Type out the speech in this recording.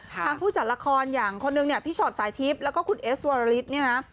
ผู้จัดละครอย่างคนนึงเนี่ยพี่ชอตสายทิพย์แล้วก็คุณเอสวรริสเนี่ยนะ